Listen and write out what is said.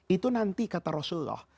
itu nanti kata rasulullah